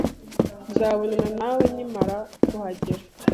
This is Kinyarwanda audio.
Nzabonana nawe nkimara kuhagera